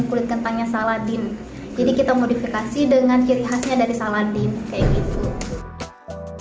kulit kentangnya saladin jadi kita modifikasi dengan ciri khasnya dari saladin kayak gitu